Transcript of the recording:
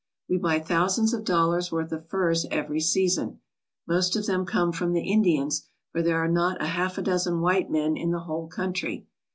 We buy thousands of dollars' worth of furs every season. Most of them come from the Indians, for there are not a half dozen white men in the whole country.